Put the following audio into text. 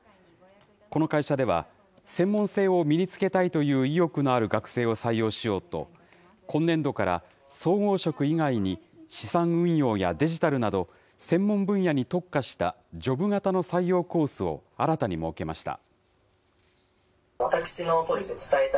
この会社では、専門性を身につけたいという意欲のある学生を採用しようと、今年度から総合職以外に資産運用やデジタルなど、専門分野に特化したジョブ型の採用コースを新たに設けました。